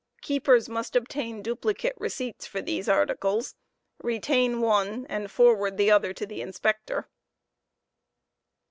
Keepers must obtain duplicate receipts for these articles, retain one, and forward the other to the Inspector.